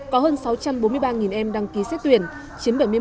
có hơn sáu trăm bốn mươi ba em đăng ký xét tuyển chiếm bảy mươi một bốn mươi năm